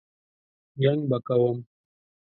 جنګ به کوم.